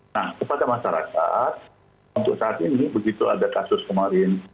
nah kepada masyarakat untuk saat ini begitu ada kasus kemarin